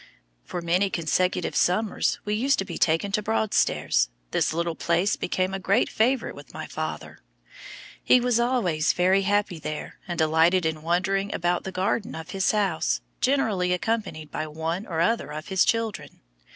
For many consecutive summers we used to be taken to Broadstairs. This little place became a great favorite with my father. He was always very happy there, and delighted in wandering about the garden of his house, generally accompanied by one or other of his children.